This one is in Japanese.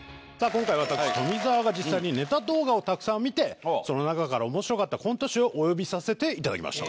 今回私富澤が実際にネタ動画をたくさん見てその中から面白かったコント師をお呼びさせて頂きました。